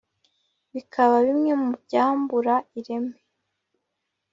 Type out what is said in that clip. bikaba bimwe mu byambura ireme